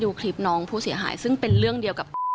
เธอก็เลยอยากเปิดโปรงพฤติกรรมน่ารังเกียจของอดีตรองหัวหน้าพรรคคนนั้นครับ